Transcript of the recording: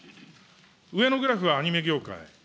上のグラフはアニメ業界。